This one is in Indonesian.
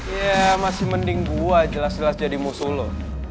ya masih mending gue jelas jelas jadi musuh lo